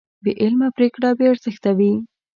بېعمله پرېکړه بېارزښته وي.